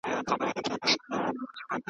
له زړه هېر مي د لېږلي رویبار څرک سي .